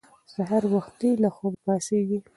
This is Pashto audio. سهار وختي له خوبه پاڅېږئ.